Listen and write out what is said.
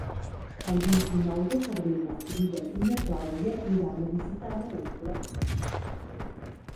El vint-i-nou de febrer na Frida i na Clàudia iran a visitar mon oncle.